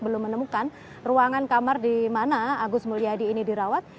belum menemukan ruangan kamar di mana agus mulyadi ini dirawat